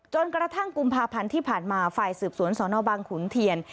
จนกระทั่งกุมภาพันธ์ที่ผ่านมาฝ่ายสืบสวนสนบางขุนเทียน